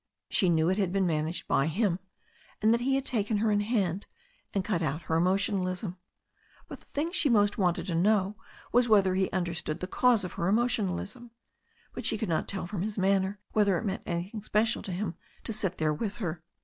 She knew it had been managed by him, and that he had taken her in hand, and cut out her emotionalism. But the thing she wanted most to know was whether he understood the cause of her emotionalism. But she could not tell from his manner whether it meant anything special to him to sit there with her.